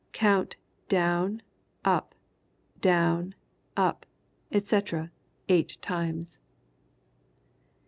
Count "down, up, down, up," etc., eight times.